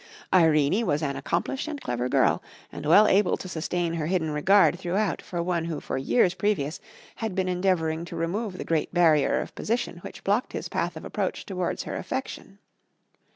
Irene was an accomplished and clever girl, and well able to sustain her hidden regard throughout for one who for years previous had been endeavouring to remove the great barrier of position which blocked his path of approach towards her affection.